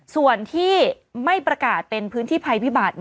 ส่วนที่ไม่ประกาศเป็นพื้นที่ภัยพิบัติ